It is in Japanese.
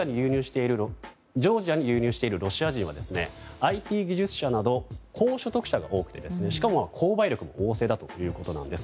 ジョージアに流入しているロシア人は、ＩＴ技術者など高所得者が多くてしかも購買力も旺盛だということなんです。